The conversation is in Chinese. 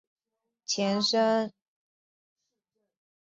该宣言是首部俄罗斯宪法的前身。